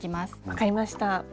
分かりました。